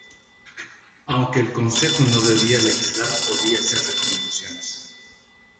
Aunque el consejo no debía legislar, podía hacer recomendaciones.